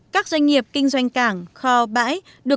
các doanh nghiệp kinh doanh cảng kho bãi được công tác